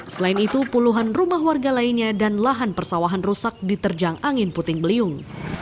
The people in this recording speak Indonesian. selain itu puluhan rumah warga lainnya dan lahan persawahan rusak diterjang angin puting beliung